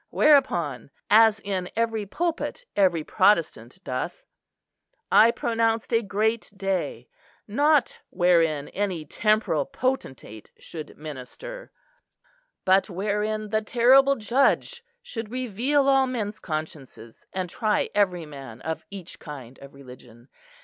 Whereupon, as in every pulpit every Protestant doth, I pronounced a great day, not wherein any temporal potentate should minister, but wherein the terrible Judge should reveal all men's consciences, and try every man of each kind of religion.